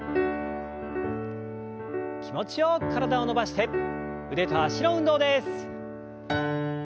気持ちよく体を伸ばして腕と脚の運動です。